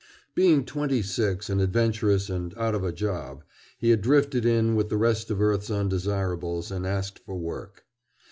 Being twenty six and adventurous and out of a job, he had drifted in with the rest of earth's undesirables and asked for work.